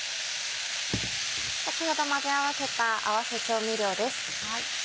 先ほど混ぜ合わせた合わせ調味料です。